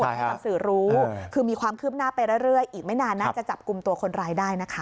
ให้กับสื่อรู้คือมีความคืบหน้าไปเรื่อยอีกไม่นานน่าจะจับกลุ่มตัวคนร้ายได้นะคะ